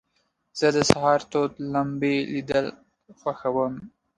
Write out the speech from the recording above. زه د سهار تود لمبې لیدل خوښوم.